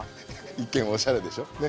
一見おしゃれでしょ？ね。